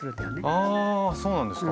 あそうなんですか。